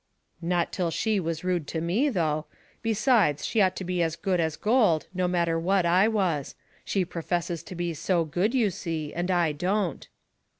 "Not till she was rude to me, though; be sides, she ought to be as good as gold, no matter what I was — she professes to be so good, you see, and I don't."